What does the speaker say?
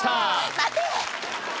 待て！